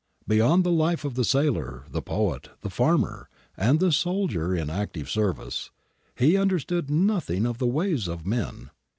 Beyond the life of the sailor, the poet, the farmer, and the soldier in active service, he understood nothing of the ways of men.